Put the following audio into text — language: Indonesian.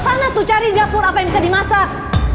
sana tuh cari dapur apa yang bisa dimasak